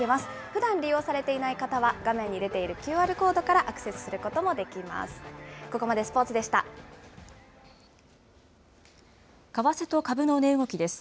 ふだん利用されていない方は、画面に出ているＱＲコードからアクセスすることもできます。